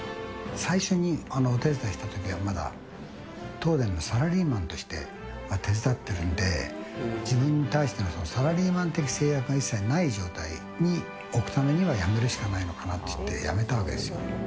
最初にお手伝いしたときは、まだ東電のサラリーマンとして手伝っているんで、自分に対してのサラリーマン的な制約が一切ない状態に置くためには辞めるしかないのかなといって、辞めたわけですよ。